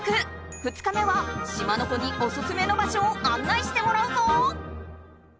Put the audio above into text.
２日目は島の子にオススメの場所をあんないしてもらうぞ！